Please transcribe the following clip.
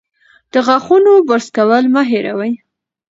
د غاښونو برس کول مه هېروئ.